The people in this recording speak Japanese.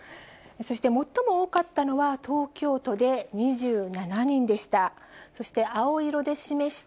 そして最も多かったのは東京都で２７人でした。